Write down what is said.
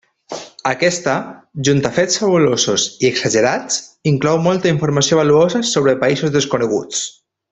Aquesta, junt amb fets fabulosos i exagerats, inclou molta informació valuosa sobre països desconeguts.